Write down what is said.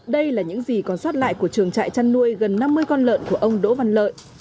đây là những gì còn sót lại của trường trại chăn nuôi gần năm mươi con lợn của ông đỗ văn lợi